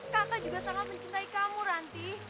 kakak juga sangat mencintai kamu nanti